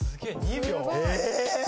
え！